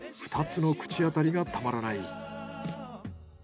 ２つの口当たりがたまらない。